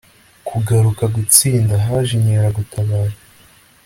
kugaruka gutsinda, haje inkeragutabara